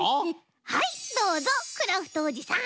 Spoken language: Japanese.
はいどうぞクラフトおじさん！